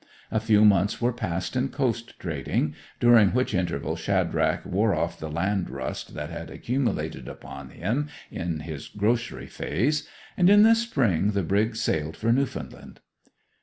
A few months were passed in coast trading, during which interval Shadrach wore off the land rust that had accumulated upon him in his grocery phase; and in the spring the brig sailed for Newfoundland.